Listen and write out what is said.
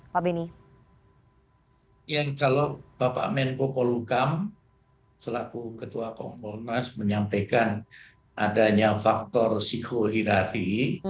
yang kalau bapak menko polukam selaku ketua kompol nas menyampaikan adanya faktor shihou hirari